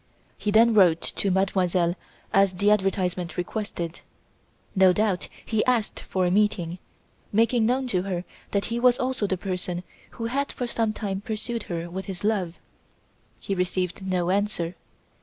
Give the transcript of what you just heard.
He then wrote to Mademoiselle, as the advertisement requested. No doubt he asked for a meeting, making known to her that he was also the person who had for some time pursued her with his love. He received no answer.